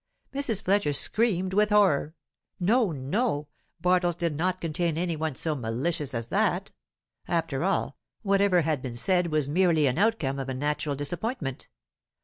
Mrs. Fletcher screamed with horror. No, no; Bartles did not contain any one so malicious as that. After all, whatever had been said was merely the outcome of a natural disappointment.